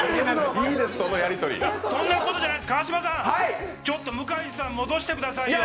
そんなことじゃないです、川島さん、向井さん戻してくださいよ。